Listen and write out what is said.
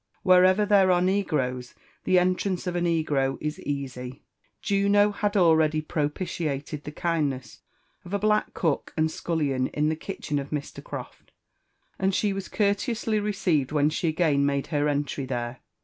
Wherever there are negroes, Iks ontmiee of a Degro is easy: Juno had already propitiated the luttdiiess of a black cook and scullion in the kitchen of Mr. Croft, and she was apor teously received \Hien she again made her entry thers.